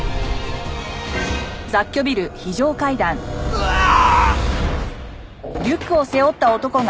うわあ！